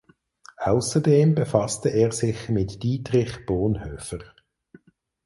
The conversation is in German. Außerdem befasste er sich mit Dietrich Bonhoeffer.